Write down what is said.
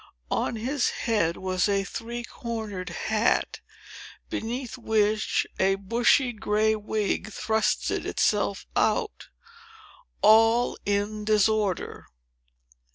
On his head was a three cornered hat, beneath which a bushy gray wig thrust itself out, all in disorder.